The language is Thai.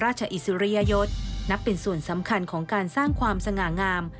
ราชอิสริยยศล์นักเป็นส่วนสำคัญของความสง่างาม